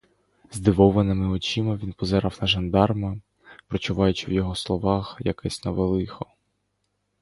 Здивованими очима він позирав на жандарма, прочуваючи в його словах якесь нове лихо.